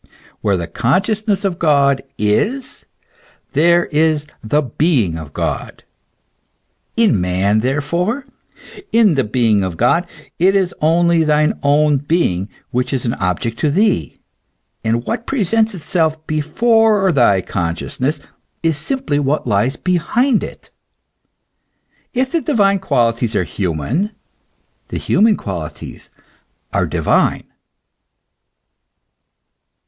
Where the consciousness of God is, there is the being of God, in man, therefore ; in the being of God it is only thy own being which is an object to thee, and what presents itself before thy consciousness is simply what lies behind it. If the divine qualities are human, the human qualities are divine.